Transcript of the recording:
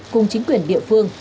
cùng chính quyền địa phương